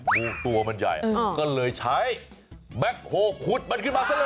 งูตัวมันใหญ่ก็เลยใช้แบ็คโฮลขุดมันขึ้นมาซะเลย